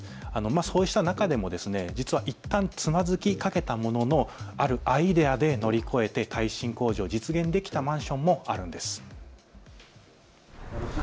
そうした中で、実はいったんつまずきかけたもののあるアイデアで乗り越え、耐震工事を実現したマンションもあるんです。